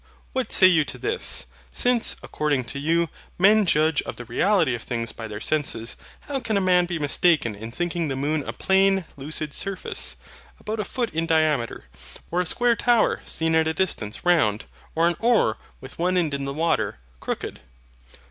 What say you to this? Since, according to you, men judge of the reality of things by their senses, how can a man be mistaken in thinking the moon a plain lucid surface, about a foot in diameter; or a square tower, seen at a distance, round; or an oar, with one end in the water, crooked?